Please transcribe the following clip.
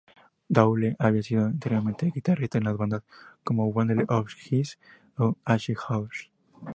Doyle había sido anteriormente guitarrista en bandas como Bundle of Hiss o H-Hour.